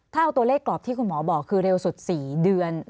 ถ้าเอาตัวเลขกรอบที่คุณหมอบอกคือเร็วสุด๔เดือน